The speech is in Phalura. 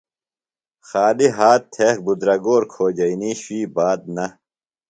خالیۡ ہات تھےۡ بِدرگور کھوجئینی شُوئی بات نہ۔